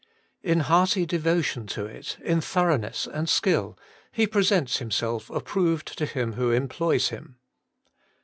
In hearty devotion to it, in thoroughness and skill, he presents himself approved to .him who employs him.